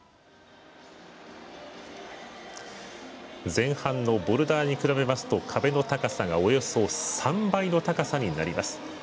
前半のボルダーに比べますと壁の高さがおよそ３倍の高さになります。